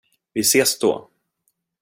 Vi ses då.